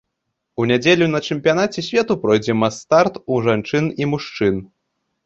У нядзелю на чэмпіянаце свету пройдзе мас-старт у жанчын і мужчын.